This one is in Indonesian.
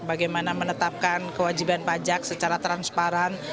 bagaimana menetapkan kewajiban pajak secara transparan